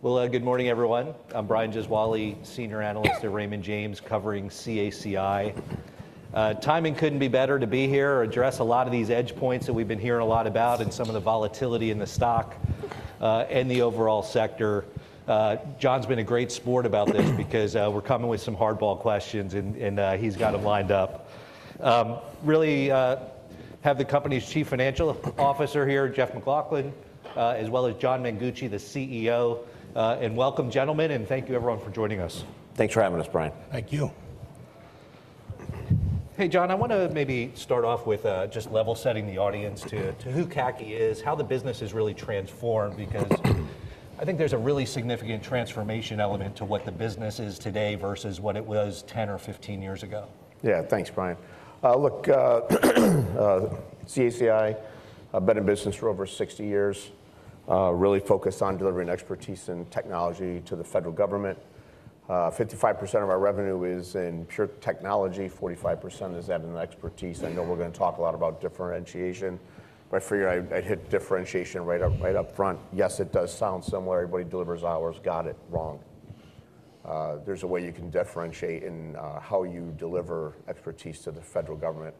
Good morning, everyone. I'm Brian Gesuale, Senior Analyst at Raymond James covering CACI. Timing couldn't be better to be here and address a lot of these edge points that we've been hearing a lot about and some of the volatility in the stock and the overall sector. John's been a great sport about this because we're coming with some hardball questions, and he's got them lined up. Really have the company's Chief Financial Officer here, Jeff MacLauchlan, as well as John Mengucci, the CEO. Welcome, gentlemen, and thank you, everyone, for joining us. Thanks for having us, Brian. Thank you. Hey, John, I want to maybe start off with just level setting the audience to who CACI is, how the business has really transformed, because I think there's a really significant transformation element to what the business is today versus what it was 10 or 15 years ago. Yeah, thanks, Brian. Look, CACI, I've been in business for over 60 years, really focused on delivering expertise and technology to the federal government. 55% of our revenue is in pure technology, 45% is adding expertise. I know we're going to talk a lot about differentiation, but I figure I hit differentiation right up front. Yes, it does sound similar. Everybody delivers ours, got it wrong. There's a way you can differentiate in how you deliver expertise to the federal government.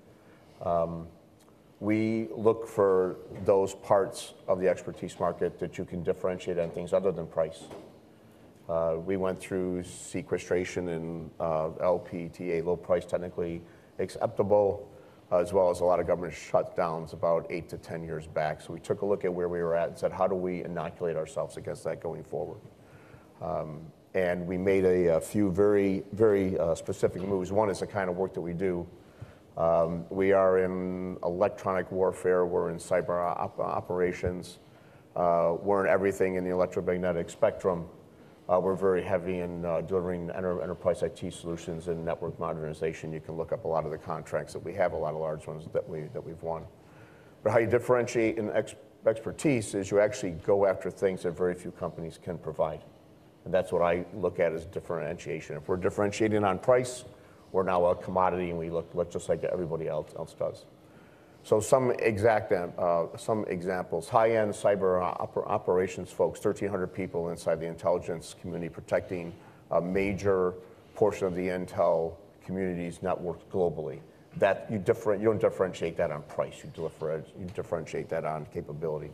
We look for those parts of the expertise market that you can differentiate on things other than price. We went through sequestration and LPTA, low price, technically acceptable, as well as a lot of government shutdowns about eight to 10 years back. So we took a look at where we were at and said, how do we inoculate ourselves against that going forward? And we made a few very, very specific moves. One is the kind of work that we do. We are in electronic warfare. We're in cyber operations. We're in everything in the electromagnetic spectrum. We're very heavy in delivering enterprise IT solutions and network modernization. You can look up a lot of the contracts that we have, a lot of large ones that we've won. But how you differentiate in expertise is you actually go after things that very few companies can provide. And that's what I look at as differentiation. If we're differentiating on price, we're now a commodity, and we look just like everybody else does. So some examples, high-end cyber operations folks, 1,300 people inside the intelligence community protecting a major portion of the Intel community's network globally. You don't differentiate that on price. You differentiate that on capability.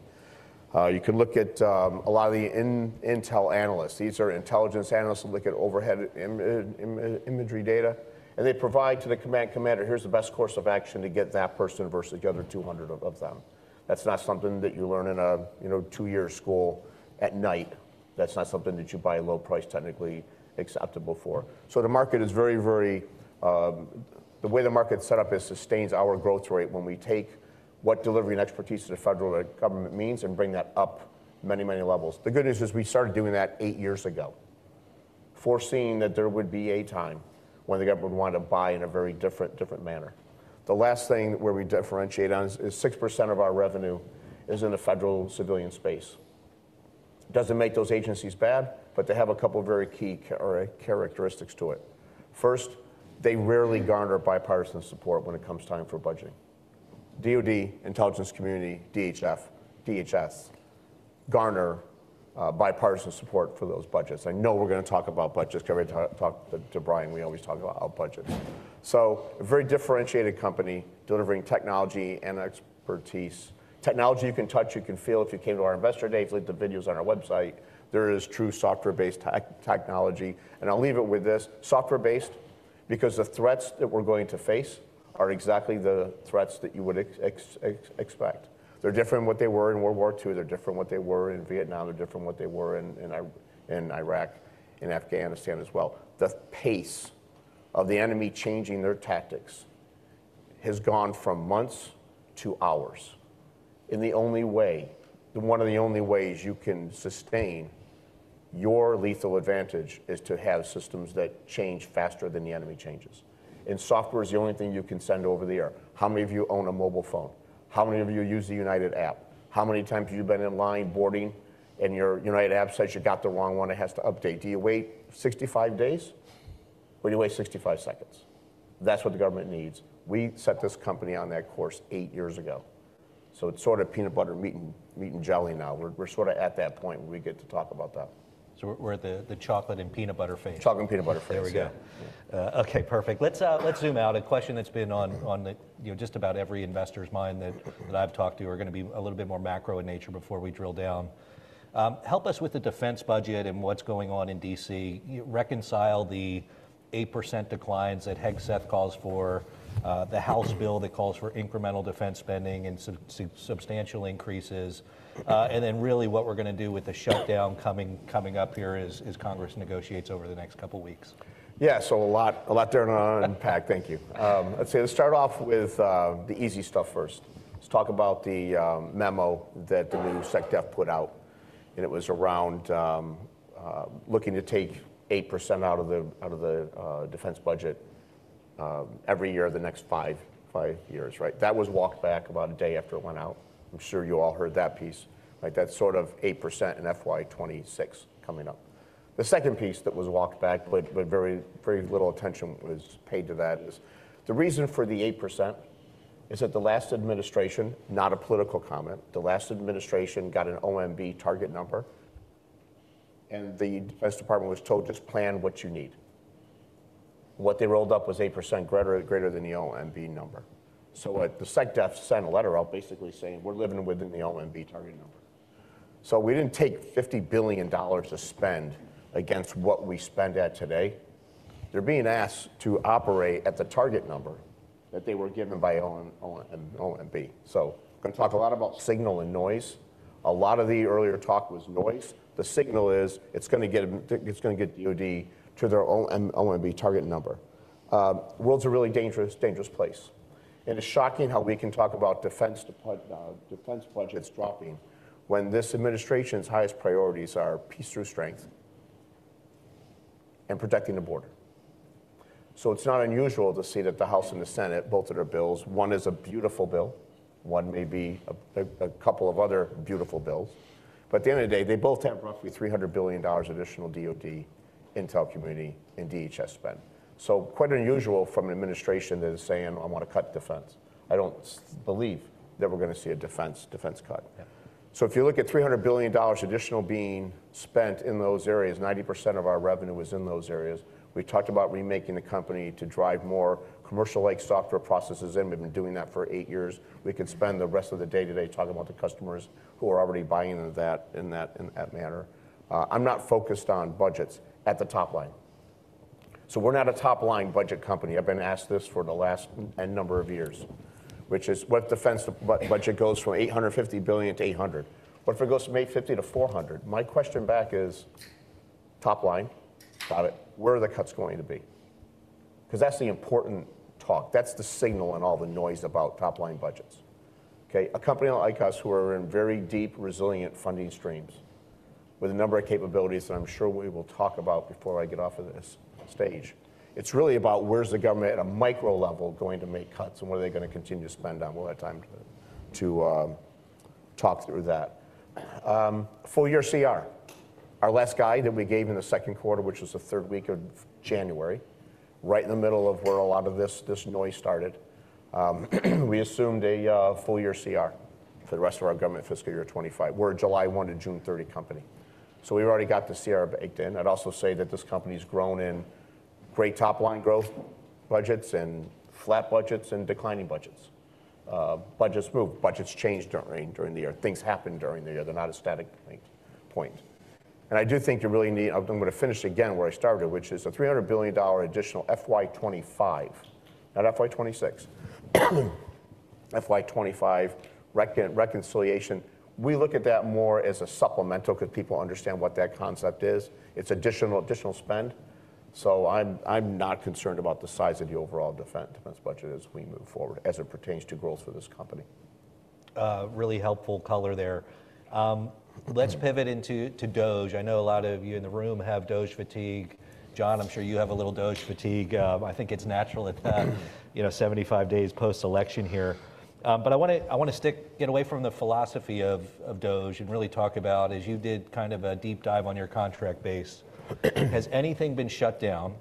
You can look at a lot of the Intel analysts. These are intelligence analysts who look at overhead imagery data. And they provide to the command commander, here's the best course of action to get that person versus the other 200 of them. That's not something that you learn in a two-year school at night. That's not something that you buy a low price, technically acceptable for. So the market is very, very the way the market's set up sustains our growth rate when we take what delivering expertise to the federal government means and bring that up many, many levels. The good news is we started doing that eight years ago, foreseeing that there would be a time when the government would want to buy in a very different manner. The last thing where we differentiate on is 6% of our revenue is in the federal civilian space. It doesn't make those agencies bad, but they have a couple of very key characteristics to it. First, they rarely garner bipartisan support when it comes time for budgeting. DOD, Intelligence Community, DHS garner bipartisan support for those budgets. I know we're going to talk about budgets because I talked to Brian. We always talk about budgets. So a very differentiated company delivering technology and expertise, technology you can touch, you can feel. If you came to our investor days, look at the videos on our website. There is true software-based technology. And I'll leave it with this: software-based, because the threats that we're going to face are exactly the threats that you would expect. They're different than what they were in World War II. They're different than what they were in Vietnam. They're different than what they were in Iraq, in Afghanistan as well. The pace of the enemy changing their tactics has gone from months to hours, and the only way, one of the only ways you can sustain your lethal advantage is to have systems that change faster than the enemy changes, and software is the only thing you can send over the air. How many of you own a mobile phone? How many of you use the United App? How many times have you been in line boarding, and your United App says you got the wrong one? It has to update. Do you wait 65 days? What do you wait? 65 seconds. That's what the government needs. We set this company on that course eight years ago, so it's sort of peanut butter, meat and jelly now. We're sort of at that point where we get to talk about that. So we're at the chocolate and peanut butter phase. Chocolate and peanut butter phase. There we go. OK, perfect. Let's zoom out. A question that's been on just about every investor's mind that I've talked to are going to be a little bit more macro in nature before we drill down. Help us with the defense budget and what's going on in DC. Reconcile the 8% declines that Hegseth calls for, the House bill that calls for incremental defense spending and substantial increases, and then really what we're going to do with the shutdown coming up here as Congress negotiates over the next couple of weeks. Yeah, so a lot going on and PAC, thank you. Let's start off with the easy stuff first. Let's talk about the memo that the new SecDef put out and it was around looking to take 8% out of the defense budget every year the next five years, right? That was walked back about a day after it went out. I'm sure you all heard that piece. That sort of 8% and FY 2026 coming up. The second piece that was walked back, but very little attention was paid to that, is the reason for the 8% is that the last administration, not a political comment, the last administration got an OMB target number and the Defense Department was told, just plan what you need. What they rolled up was 8%, greater than the OMB number. So the SecDef sent a letter out, basically saying, we're living within the OMB target number. So we didn't take $50 billion to spend against what we spend today. They're being asked to operate at the target number that they were given by OMB. So we're going to talk a lot about signal and noise. A lot of the earlier talk was noise. The signal is it's going to get DOD to their OMB target number. The world's a really dangerous, dangerous place, and it's shocking how we can talk about defense budgets dropping when this administration's highest priorities are peace through strength and protecting the border. So it's not unusual to see that the House and the Senate both author bills, one is a beautiful bill, one, maybe a couple of other beautiful bills. But at the end of the day, they both have roughly $300 billion additional DOD, Intel community, and DHS spend. So quite unusual from an administration that is saying, I want to cut defense. I don't believe that we're going to see a defense cut. So if you look at $300 billion additional being spent in those areas, 90% of our revenue was in those areas. We talked about remaking the company to drive more commercial-like software processes in. We've been doing that for eight years. We could spend the rest of the day today talking about the customers who are already buying in that manner. I'm not focused on budgets at the top line. So we're not a top line budget company. I've been asked this for the last number of years, which is what defense budget goes from $850 billion-$800. What if it goes from $850-$400? My question back is top line, got it. Where are the cuts going to be? Because that's the important talk. That's the signal and all the noise about top line budgets. A company like us who are in very deep, resilient funding streams with a number of capabilities that I'm sure we will talk about before I get off of this stage, it's really about where's the government at a micro level going to make cuts and what are they going to continue to spend on. We'll have time to talk through that. Full year CR, our last guide that we gave in the second quarter, which was the third week of January, right in the middle of where a lot of this noise started, we assumed a full year CR for the rest of our government fiscal year 2025. We're a July 1 to June 30 company. So we've already got the CR baked in. I'd also say that this company's grown in great top line growth budgets and flat budgets and declining budgets. Budgets move. Budgets change during the year. Things happen during the year. They're not a static point. And I do think you really need. I'm going to finish again where I started, which is a $300 billion additional FY 2025, not FY 2026. FY 2025 reconciliation. We look at that more as a supplemental because people understand what that concept is. It's additional spend. So I'm not concerned about the size of the overall defense budget as we move forward as it pertains to growth for this company. Really helpful color there. Let's pivot into DOGE. I know a lot of you in the room have DOGE fatigue. John, I'm sure you have a little DOGE fatigue. I think it's natural at 75 days post-election here. But I want to get away from the philosophy of DOGE and really talk about, as you did kind of a deep dive on your contract base, has anything been shut down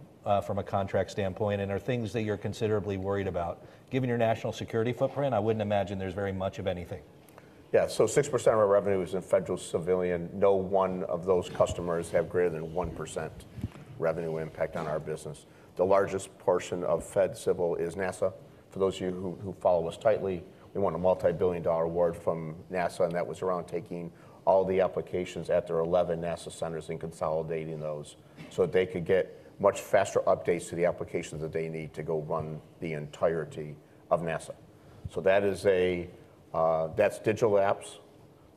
from a contract standpoint? And are things that you're considerably worried about? Given your national security footprint, I wouldn't imagine there's very much of anything. Yeah, so 6% of our revenue is in federal civilian. No one of those customers has greater than 1% revenue impact on our business. The largest portion of Fed civil is NASA. For those of you who follow us tightly, we won a multi-billion-dollar award from NASA, and that was around taking all the applications at their 11 NASA centers and consolidating those so they could get much faster updates to the applications that they need to go run the entirety of NASA, so that's digital apps.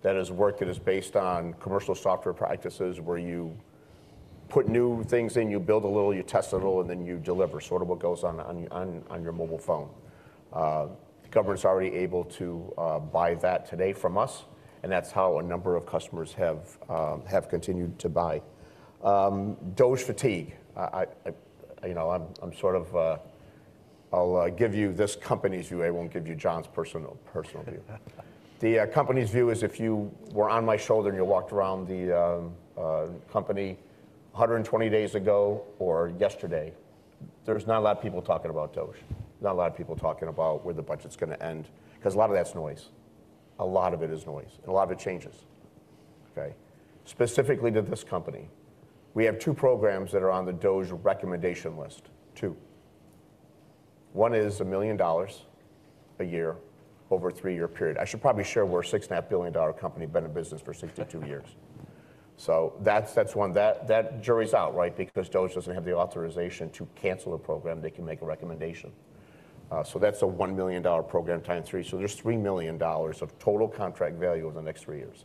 That is work that is based on commercial software practices where you put new things in, you build a little, you test a little, and then you deliver, sort of what goes on your mobile phone. The government's already able to buy that today from us, and that's how a number of customers have continued to buy. DOGE fatigue. I'm sort of. I'll give you this company's view. I won't give you John's personal view. The company's view is if you were on my shoulder and you walked around the company 120 days ago or yesterday, there's not a lot of people talking about DOGE. Not a lot of people talking about where the budget's going to end. Because a lot of that's noise. A lot of it is noise. And a lot of it changes. Specifically to this company, we have two programs that are on the DOGE recommendation list, two. One is $1 million a year over a three-year period. I should probably share we're a $6.5 billion company been in business for 62 years. So that's one. That jury's out, right? Because DOGE doesn't have the authorization to cancel the program. They can make a recommendation. So that's a $1 million program times three. So there's $3 million of total contract value over the next three years.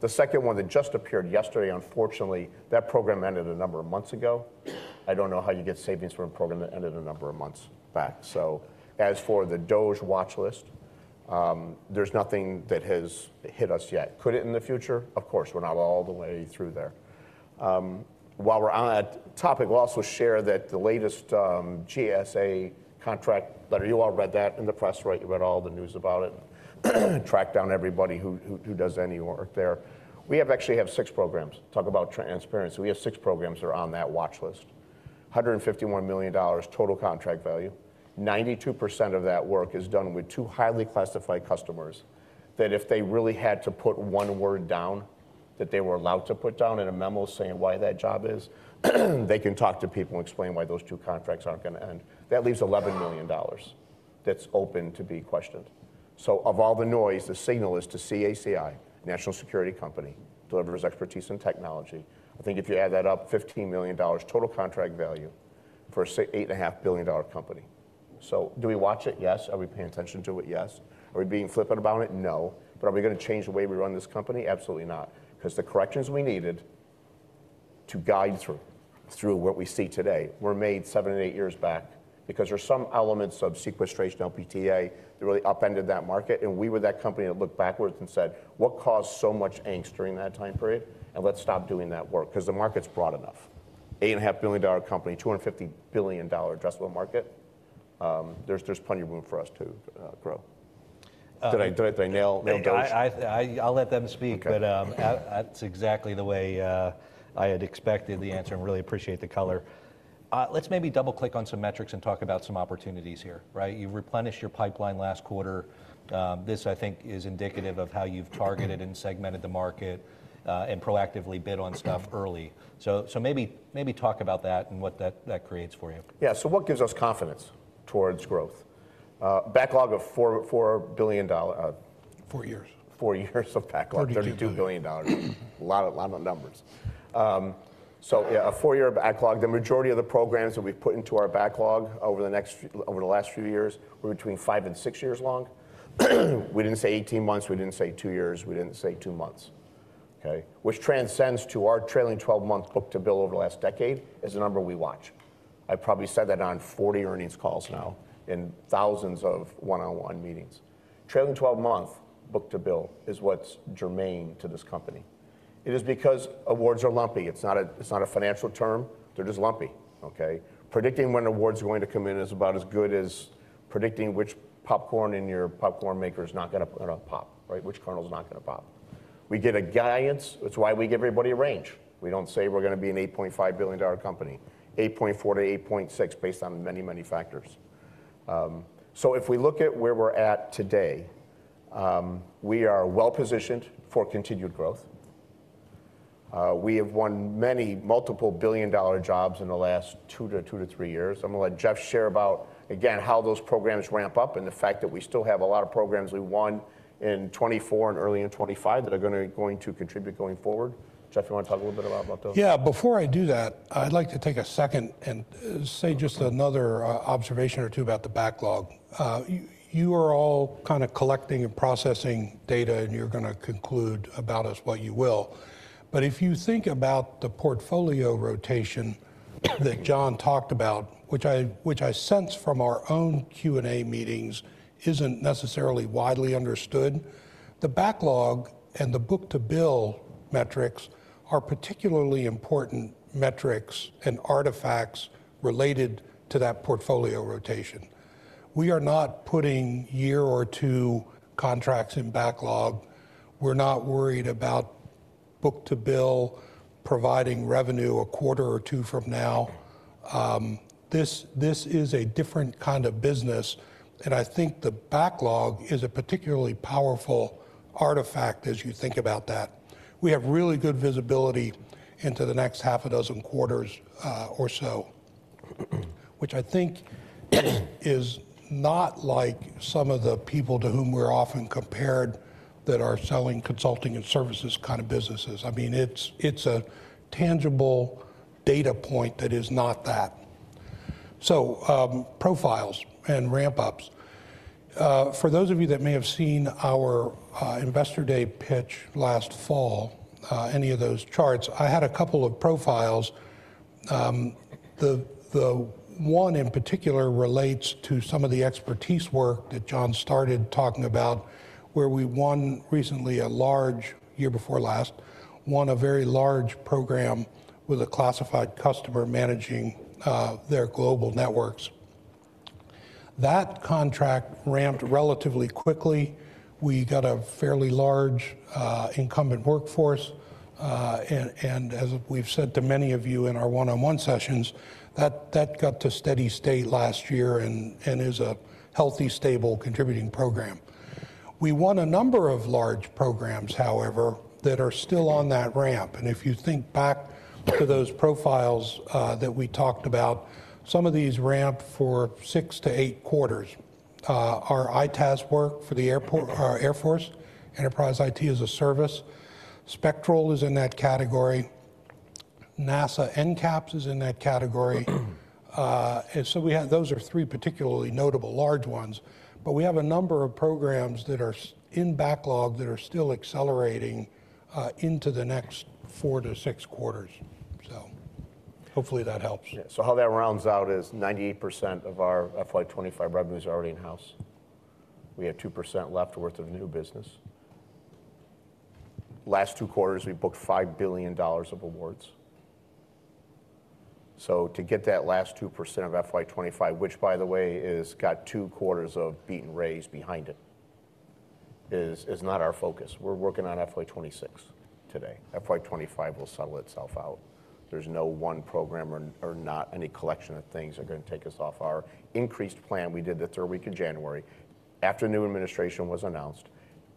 The second one that just appeared yesterday, unfortunately, that program ended a number of months ago. I don't know how you get savings from a program that ended a number of months back. So as for the DOGE watch list, there's nothing that has hit us yet. Could it in the future? Of course, we're not all the way through there. While we're on that topic, I'll also share that the latest GSA contract letter, you all read that in the press, right? You read all the news about it. Track down everybody who does any work there. We actually have six programs. Talk about transparency. We have six programs that are on that watch list. $151 million total contract value. 92% of that work is done with two highly classified customers that if they really had to put one word down that they were allowed to put down in a memo saying why that job is, they can talk to people and explain why those two contracts aren't going to end. That leaves $11 million that's open to be questioned. So of all the noise, the signal is to CACI, National Security Company, Delivering Expertise and Technology. I think if you add that up, $15 million total contract value for an $8.5 billion company. So do we watch it? Yes. Are we paying attention to it? Yes. Are we being flippant about it? No. But are we going to change the way we run this company? Absolutely not. Because the corrections we needed to guide through what we see today were made seven or eight years back because there are some elements of sequestration, LPTA, that really upended that market, and we were that company that looked backwards and said, what caused so much angst during that time period, and let's stop doing that work because the market's broad enough. $8.5 billion company, $250 billion addressable market. There's plenty of room for us to grow. Did I nail DOGE? I'll let them speak. But that's exactly the way I had expected the answer. I really appreciate the color. Let's maybe double-click on some metrics and talk about some opportunities here. You replenished your pipeline last quarter. This, I think, is indicative of how you've targeted and segmented the market and proactively bid on stuff early. So maybe talk about that and what that creates for you. Yeah, so what gives us confidence toward growth? Backlog of $4 billion. Four years. Four years of backlog. $32 billion. A lot of numbers. So a four-year backlog. The majority of the programs that we've put into our backlog over the last few years were between five and six years long. We didn't say 18 months. We didn't say two years. We didn't say two months. Which translates to our trailing 12-month book-to-bill over the last decade is a number we watch. I probably said that on 40 earnings calls now and thousands of one-on-one meetings. Trailing 12-month book-to-bill is what's germane to this company. It is because awards are lumpy. It's not a financial term. They're just lumpy. Predicting when awards are going to come in is about as good as predicting which popcorn in your popcorn maker is not going to pop, which kernel is not going to pop. We give guidance. It's why we give everybody a range. We don't say we're going to be an $8.5 billion company, $8.4 billion-$8.6 billion based on many, many factors. So if we look at where we're at today, we are well positioned for continued growth. We have won many multiple billion dollar jobs in the last two to three years. I'm going to let Jeff share about, again, how those programs ramp up and the fact that we still have a lot of programs we won in 2024 and early in 2025 that are going to contribute going forward. Jeff, you want to talk a little bit about those? Yeah, before I do that, I'd like to take a second and say just another observation or two about the backlog. You are all kind of collecting and processing data, and you're going to conclude about us what you will. But if you think about the portfolio rotation that John talked about, which I sense from our own Q&A meetings isn't necessarily widely understood, the backlog and the book-to-bill metrics are particularly important metrics and artifacts related to that portfolio rotation. We are not putting year or two contracts in backlog. We're not worried about book-to-bill providing revenue a quarter or two from now. This is a different kind of business. And I think the backlog is a particularly powerful artifact as you think about that. We have really good visibility into the next half a dozen quarters or so, which I think is not like some of the people to whom we're often compared that are selling consulting and services kind of businesses. I mean, it's a tangible data point that is not that. So profiles and ramp-ups. For those of you that may have seen our investor day pitch last fall, any of those charts, I had a couple of profiles. The one in particular relates to some of the expertise work that John started talking about, where we won recently a large year before last, won a very large program with a classified customer managing their global networks. That contract ramped relatively quickly. We got a fairly large incumbent workforce. And as we've said to many of you in our one-on-one sessions, that got to steady state last year and is a healthy, stable contributing program. We won a number of large programs, however, that are still on that ramp. And if you think back to those profiles that we talked about, some of these ramp for six to eight quarters. Our EITaaS work for the Air Force, Enterprise IT as a service. SPECTRAL is in that category. NASA NCAPS is in that category. So those are three particularly notable large ones. But we have a number of programs that are in backlog that are still accelerating into the next four to six quarters. So hopefully that helps. So how that rounds out is 98% of our FY 2025 revenues are already in-house. We have 2% left worth of new business. Last two quarters, we booked $5 billion of awards. So to get that last 2% of FY 2025, which, by the way, has got two quarters of beaten raise behind it, is not our focus. We're working on FY 2026 today. FY 2025 will settle itself out. There's no one program or not any collection of things that are going to take us off our increased plan. We did the third week of January after new administration was announced,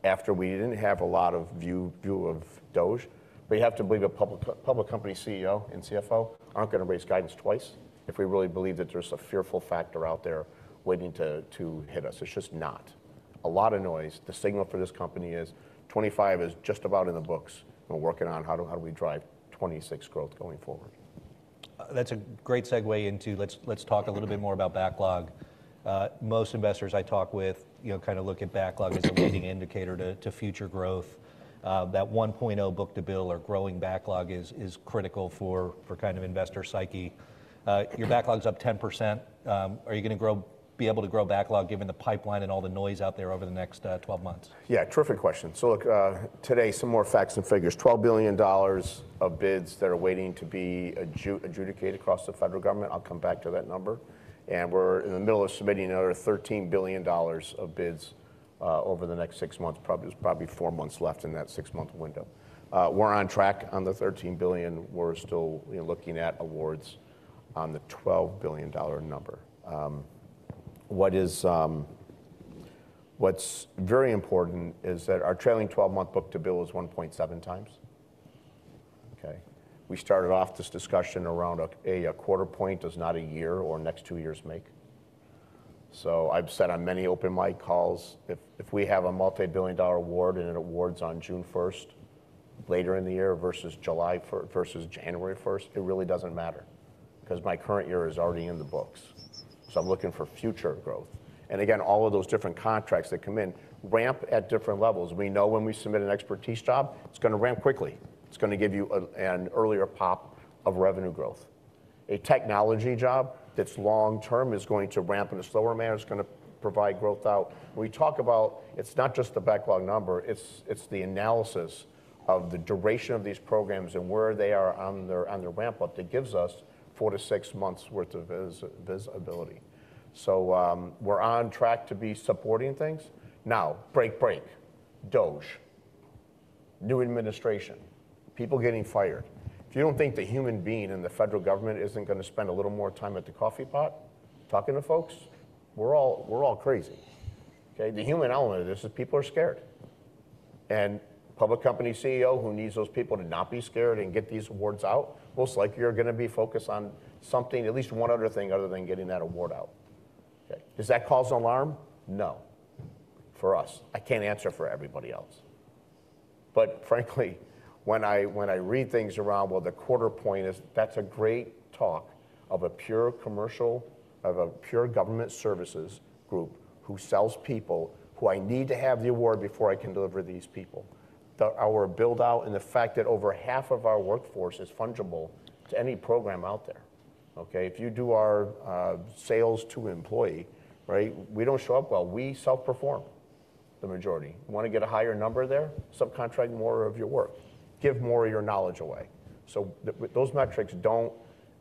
after we didn't have a lot of view of DOGE. But you have to believe a public company CEO and CFO aren't going to raise guidance twice if we really believe that there's a fearful factor out there waiting to hit us. It's just not. A lot of noise. The signal for this company is 2025 is just about in the books. We're working on how do we drive 2026 growth going forward. That's a great segue into let's talk a little bit more about backlog. Most investors I talk with kind of look at backlog as a leading indicator to future growth. That $1.0 book to bill or growing backlog is critical for kind of investor psyche. Your backlog is up 10%. Are you going to be able to grow backlog given the pipeline and all the noise out there over the next 12 months? Yeah, terrific question. So look, today, some more facts and figures. $12 billion of bids that are waiting to be adjudicated across the federal government. I'll come back to that number. And we're in the middle of submitting another $13 billion of bids over the next six months. There's probably four months left in that six-month window. We're on track on the $13 billion. We're still looking at awards on the $12 billion number. What's very important is that our trailing 12-month book-to-bill is 1.7 times. We started off this discussion around a quarter point, does not a year or next two years make. So I've said on many open mic calls, if we have a multi-billion-dollar award and it awards on June 1st, later in the year versus July versus January 1st, it really doesn't matter. Because my current year is already in the books. So I'm looking for future growth. And again, all of those different contracts that come in ramp at different levels. We know when we submit an expertise job, it's going to ramp quickly. It's going to give you an earlier pop of revenue growth. A technology job that's long term is going to ramp in a slower manner. It's going to provide growth out. When we talk about it's not just the backlog number, it's the analysis of the duration of these programs and where they are on their ramp-up that gives us four to six months' worth of visibility. So we're on track to be supporting things. Now, break, break. DOGE. New administration. People getting fired. If you don't think the human being in the federal government isn't going to spend a little more time at the coffee pot talking to folks, we're all crazy. The human element of this is people are scared. And public company CEO who needs those people to not be scared and get these awards out, most likely you're going to be focused on something, at least one other thing other than getting that award out. Does that cause an alarm? No. For us. I can't answer for everybody else. But frankly, when I read things around, well, the quarter point is that's a great talk of a pure commercial, of a pure government services group who sells people who I need to have the award before I can deliver these people. Our build-out and the fact that over half of our workforce is fungible to any program out there. If you do our sales to employee, we don't show up well. We self-perform the majority. You want to get a higher number there? Subcontract more of your work. Give more of your knowledge away, so those metrics don't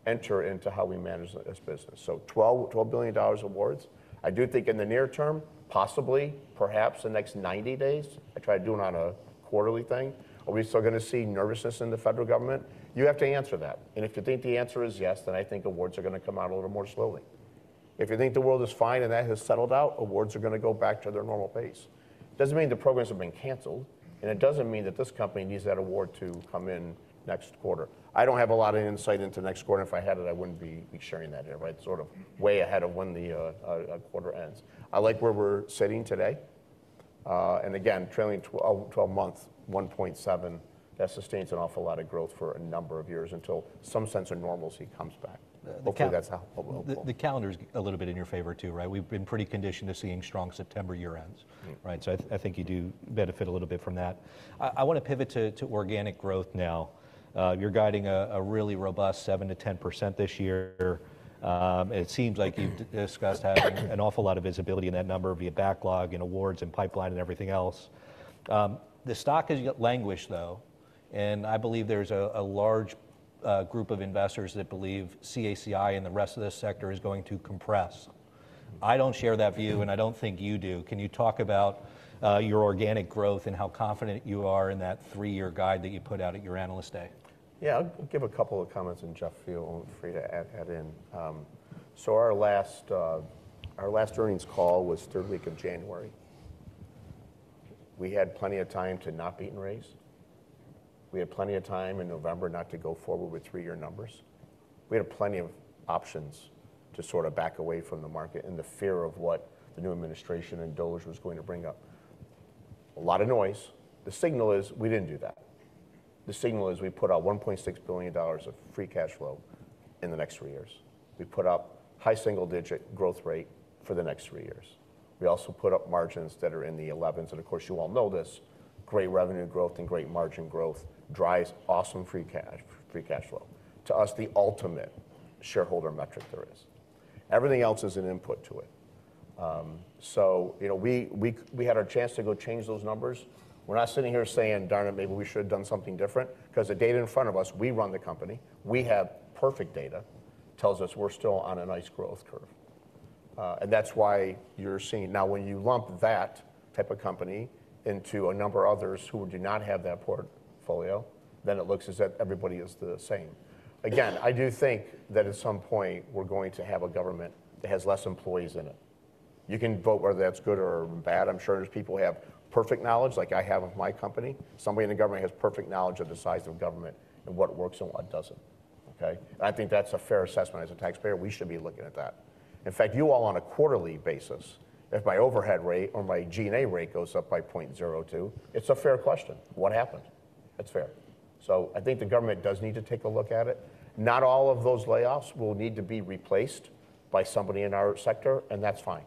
enter into how we manage this business. So $12 billion awards, I do think in the near term, possibly, perhaps the next 90 days. I try to do it on a quarterly thing. Are we still going to see nervousness in the federal government? You have to answer that, and if you think the answer is yes, then I think awards are going to come out a little more slowly. If you think the world is fine and that has settled out, awards are going to go back to their normal pace. It doesn't mean the programs have been canceled, and it doesn't mean that this company needs that award to come in next quarter. I don't have a lot of insight into next quarter. If I had it, I wouldn't be sharing that. I'd sort of way ahead of when the quarter ends. I like where we're sitting today. And again, trailing 12 months, 1.7, that sustains an awful lot of growth for a number of years until some sense of normalcy comes back. Hopefully that's helpful. The calendar is a little bit in your favor too. We've been pretty conditioned to seeing strong September year-ends, so I think you do benefit a little bit from that. I want to pivot to organic growth now. You're guiding a really robust 7%-10% this year. It seems like you've discussed having an awful lot of visibility in that number via backlog and awards and pipeline and everything else. The stock has languished, though, and I believe there's a large group of investors that believe CACI and the rest of this sector is going to compress. I don't share that view, and I don't think you do. Can you talk about your organic growth and how confident you are in that three-year guide that you put out at your analyst day? Yeah, I'll give a couple of comments, and Jeff, feel free to add in. So our last earnings call was third week of January. We had plenty of time to not beat and raise. We had plenty of time in November not to go forward with three-year numbers. We had plenty of options to sort of back away from the market and the fear of what the new administration and DOGE was going to bring up. A lot of noise. The signal is we didn't do that. The signal is we put out $1.6 billion of free cash flow in the next three years. We put up high single-digit growth rate for the next three years. We also put up margins that are in the 11s. And of course, you all know this, great revenue growth and great margin growth drives awesome free cash flow. To us, the ultimate shareholder metric there is. Everything else is an input to it. So we had our chance to go change those numbers. We're not sitting here saying, darn it, maybe we should have done something different. Because the data in front of us, we run the company. We have perfect data. It tells us we're still on a nice growth curve, and that's why you're seeing now when you lump that type of company into a number of others who do not have that portfolio, then it looks as if everybody is the same. Again, I do think that at some point we're going to have a government that has less employees in it. You can vote whether that's good or bad. I'm sure there's people who have perfect knowledge like I have of my company. Somebody in the government has perfect knowledge of the size of government and what works and what doesn't. I think that's a fair assessment as a taxpayer. We should be looking at that. In fact, you all on a quarterly basis, if my overhead rate or my G&A rate goes up by 0.02, it's a fair question. What happened? That's fair. So I think the government does need to take a look at it. Not all of those layoffs will need to be replaced by somebody in our sector, and that's fine.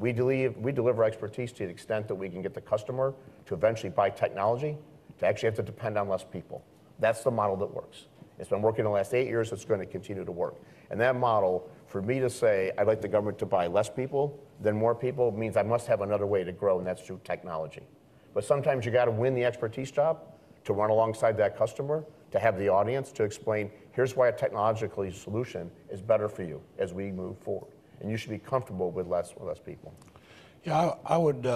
We deliver expertise to the extent that we can get the customer to eventually buy technology to actually have to depend on less people. That's the model that works. It's been working the last eight years. It's going to continue to work. And that model, for me to say I'd like the government to buy less people than more people means I must have another way to grow, and that's through technology. But sometimes you've got to win the expertise job to run alongside that customer, to have the audience to explain, here's why a technological solution is better for you as we move forward. And you should be comfortable with less people. Yeah, I would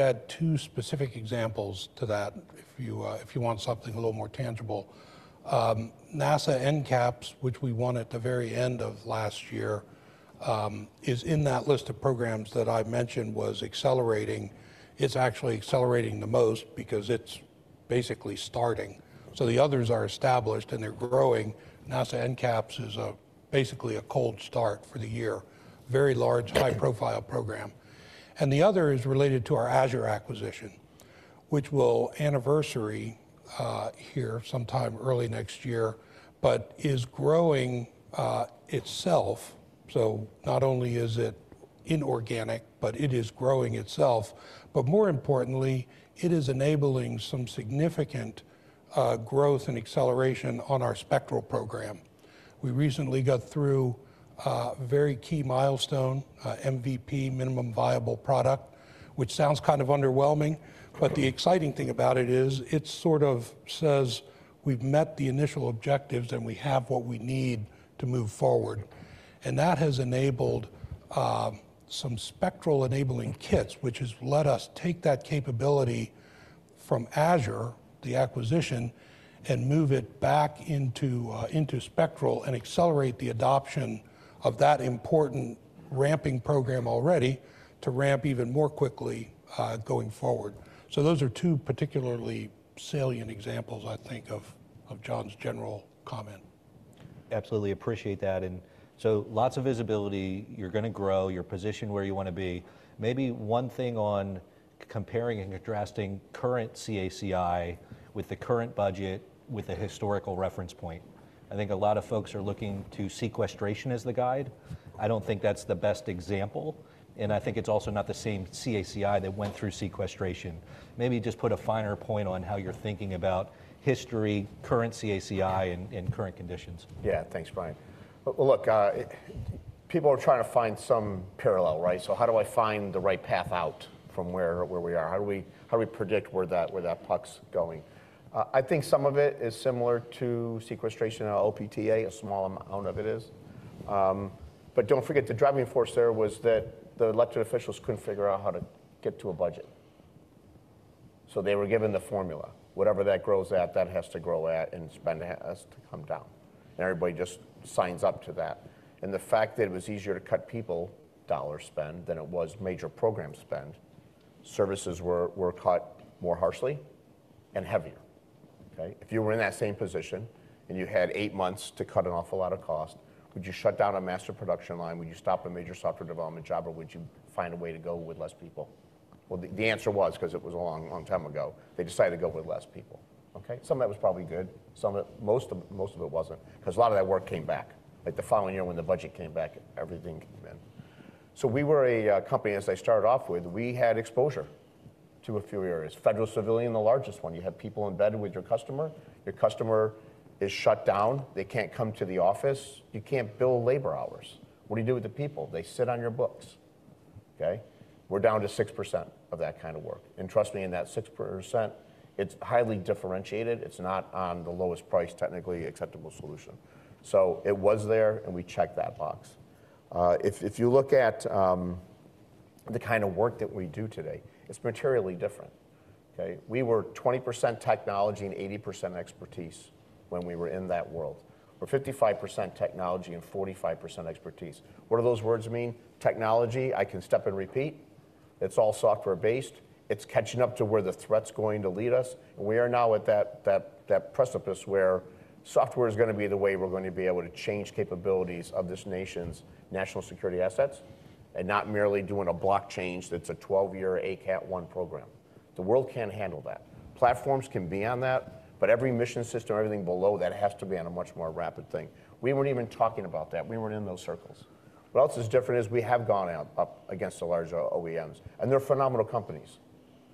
add two specific examples to that if you want something a little more tangible. NASA NCAPS, which we won at the very end of last year, is in that list of programs that I mentioned was accelerating. It's actually accelerating the most because it's basically starting, so the others are established and they're growing. NASA NCAPS is basically a cold start for the year. Very large, high-profile program, and the other is related to our Azure acquisition, which will anniversary here sometime early next year, but is growing itself, so not only is it inorganic, but it is growing itself, but more importantly, it is enabling some significant growth and acceleration on our SPECTRAL program. We recently got through a very key milestone, MVP, minimum viable product, which sounds kind of underwhelming. But the exciting thing about it is it sort of says we've met the initial objectives and we have what we need to move forward. And that has enabled some SPECTRAL enabling kits, which has let us take that capability from Azure, the acquisition, and move it back into SPECTRAL and accelerate the adoption of that important ramping program already to ramp even more quickly going forward. So those are two particularly salient examples, I think, of John's general comment. Absolutely appreciate that. And so lots of visibility. You're going to grow your position where you want to be. Maybe one thing on comparing and contrasting current CACI with the current budget with a historical reference point. I think a lot of folks are looking to sequestration as the guide. I don't think that's the best example. And I think it's also not the same CACI that went through sequestration. Maybe just put a finer point on how you're thinking about history, current CACI, and current conditions. Yeah, thanks, Brian. Well, look, people are trying to find some parallel. So how do I find the right path out from where we are? How do we predict where that puck's going? I think some of it is similar to sequestration and LPTA, a small amount of it is. But don't forget the driving force there was that the elected officials couldn't figure out how to get to a budget. So they were given the formula. Whatever that grows at, that has to grow at, and spend has to come down. And everybody just signs up to that. And the fact that it was easier to cut people dollar spend than it was major program spend, services were cut more harshly and heavier. If you were in that same position and you had eight months to cut an awful lot of cost, would you shut down a master production line? Would you stop a major software development job? Or would you find a way to go with less people? Well, the answer was, because it was a long, long time ago, they decided to go with less people. Some of that was probably good. Most of it wasn't. Because a lot of that work came back. The following year when the budget came back, everything came in. So we were a company, as I started off with, we had exposure to a few areas. Federal civilian, the largest one. You have people embedded with your customer. Your customer is shut down. They can't come to the office. You can't bill labor hours. What do you do with the people? They sit on your books. We're down to 6% of that kind of work. And trust me, in that 6%, it's highly differentiated. It's not on the lowest price technically acceptable solution. So it was there, and we checked that box. If you look at the kind of work that we do today, it's materially different. We were 20% technology and 80% expertise when we were in that world. We're 55% technology and 45% expertise. What do those words mean? Technology, I can step and repeat. It's all software based. It's catching up to where the threat's going to lead us. And we are now at that precipice where software is going to be the way we're going to be able to change capabilities of this nation's national security assets and not merely doing a block change that's a 12-year ACAT I program. The world can't handle that. Platforms can be on that. But every mission system, everything below that has to be on a much more rapid thing. We weren't even talking about that. We weren't in those circles. What else is different is we have gone up against the larger OEMs. And they're phenomenal companies.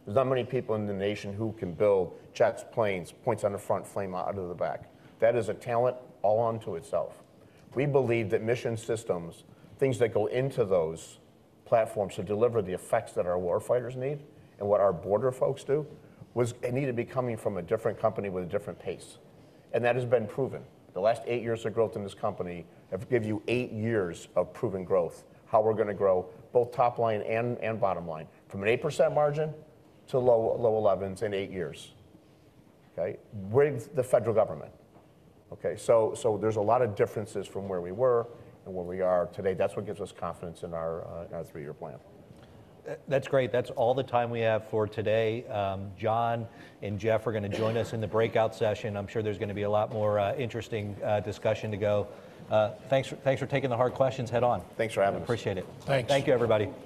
There's not many people in the nation who can build jets, planes, points on the front, flames out of the back. That is a talent all unto itself. We believe that mission systems, things that go into those platforms to deliver the effects that our war fighters need and what our border folks do, need to be coming from a different company with a different pace. And that has been proven. The last eight years of growth in this company have given you eight years of proven growth, how we're going to grow both top line and bottom line from an 8% margin to low 11s in eight years. With the federal government. So there's a lot of differences from where we were and where we are today. That's what gives us confidence in our three-year plan. That's great. That's all the time we have for today. John and Jeff are going to join us in the breakout session. I'm sure there's going to be a lot more interesting discussion to go. Thanks for taking the hard questions head on. Thanks for having us. Appreciate it. Thanks. Thank you, everybody.